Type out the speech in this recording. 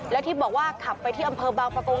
และที่บอกว่าขับไปที่อำเภอบางประกง